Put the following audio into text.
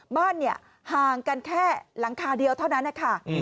บ้านห่างกันแค่หลังคาเดียวเท่านั้นนะคะ